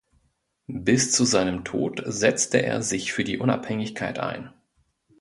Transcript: Bis zu seinem Tod setzte er sich für die Unabhängigkeit ein.